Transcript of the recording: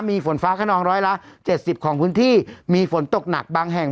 มีฝนฟ้าขนองร้อยละเจ็ดสิบของพื้นที่มีฝนตกหนักบางแห่ง